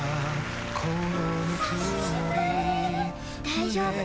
大丈夫。